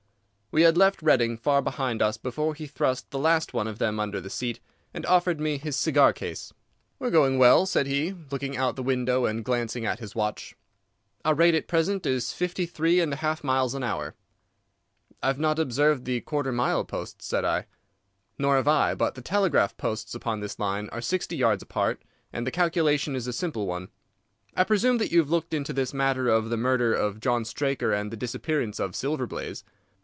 We had left Reading far behind us before he thrust the last one of them under the seat, and offered me his cigar case. "We are going well," said he, looking out the window and glancing at his watch. "Our rate at present is fifty three and a half miles an hour." "I have not observed the quarter mile posts," said I. "Nor have I. But the telegraph posts upon this line are sixty yards apart, and the calculation is a simple one. I presume that you have looked into this matter of the murder of John Straker and the disappearance of Silver Blaze?"